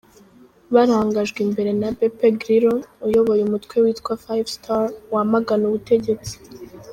Barangajwe imbere na Beppe Grillo uyoboye umutwe witwa Five Star wamagana ubutegetsi.